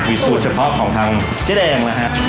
วิสูจน์เฉพาะของทางเจ๊แดงนะครับ